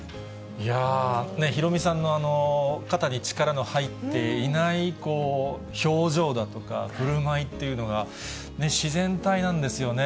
いやー、ヒロミさんの肩に力の入っていない表情だとか、ふるまいっていうのが、自然体なんですよね。